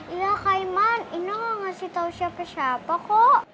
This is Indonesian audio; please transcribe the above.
iya kayman indah gak ngasih tau siapa siapa kok